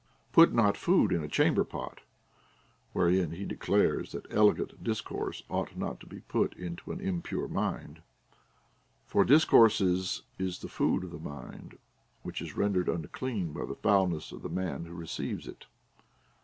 Put not food in a chamber pot ; Avherein he declares that elegant discourse ought not to be put into an impure mind ; for discourse is the food of the mind, which is rendered unclean by the foulness of the man λυΙίο receives it.